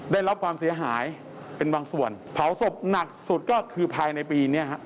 ได้รับความเสียหายเป็นบางส่วนเผาศพหนักสุดก็คือภายในปีนี้ฮะ